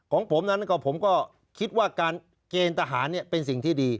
ของผมนั้นก็ผมก็คิดว่าการเกณฑ์ทหารเป็นสิ่งที่ดี